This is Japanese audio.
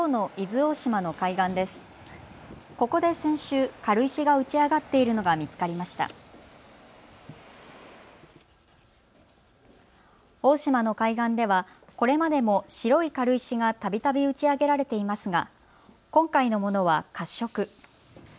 大島の海岸では、これまでも白い軽石がたびたび打ち上げられていますが今回のものは褐色。